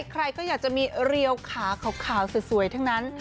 ใครก็อยากจะมีเรียวขาขาวสวยทั้งนั้น